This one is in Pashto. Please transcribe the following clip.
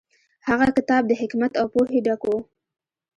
هغه کتاب د حکمت او پوهې ډک و.